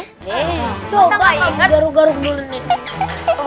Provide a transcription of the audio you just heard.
eh coba kamu garung garung dulu nih